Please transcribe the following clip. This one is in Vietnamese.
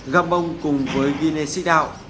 gabon cùng với guinness seed out